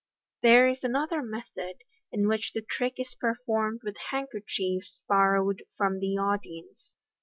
There is another method, in which the trick is performed with handkerchiefs borrowed from the audience.